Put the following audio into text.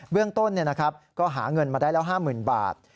เรื่องต้นก็หาเงินมาได้แล้ว๕๐๐๐บาท